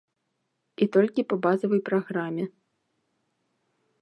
І толькі па базавай праграме.